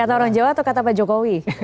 kata orang jawa atau kata pak jokowi